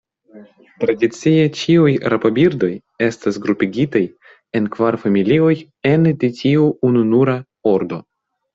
Tradicie ĉiuj rabobirdoj estas grupigitaj en kvar familioj ene de tiu ununura ordo.